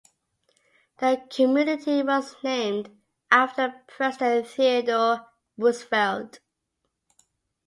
The community was named after President Theodore Roosevelt.